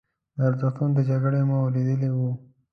د ارزښتونو د جګړې مو اورېدلي وو.